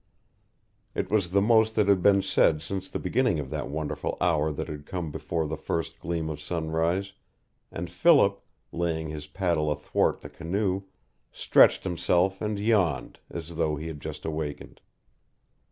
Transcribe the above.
It was the most that had been said since the beginning of that wonderful hour that had come before the first gleam of sunrise, and Philip, laying his paddle athwart the canoe, stretched himself and yawned, as though he had just awakened.